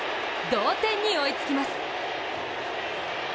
同点に追いつきます。